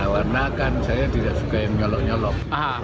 warna kan saya tidak suka yang nyolok nyolok